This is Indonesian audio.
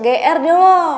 gak usah gr deh lo